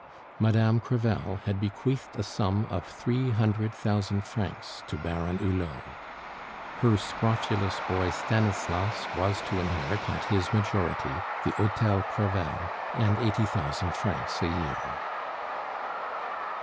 Madame Crevel had bequeathed a sum of three hundred thousand francs to Baron Hulot. Her scrofulous boy Stanislas was to inherit, at his majority, the Hotel Crevel and eighty thousand francs a year.